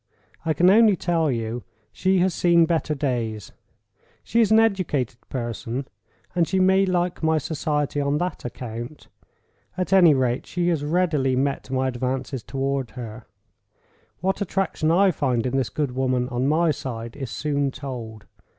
I can only tell you she has seen better days; she is an educated person; and she may like my society on that account. At any rate, she has readily met my advances toward her. What attraction I find in this good woman, on my side, is soon told.